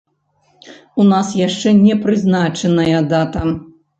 У нас яшчэ не прызначаная дата.